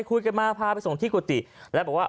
คุยกันมาพาไปส่งที่กุฏิแล้วบอกว่า